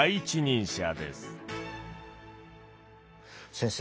先生